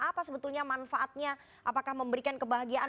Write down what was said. apa sebetulnya manfaatnya apakah memberikan kebahagiaan